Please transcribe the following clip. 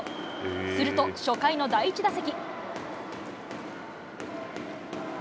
すると、初回の第１打席。